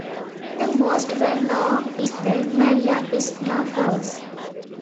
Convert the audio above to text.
The most well known is the Maria Cristina Falls.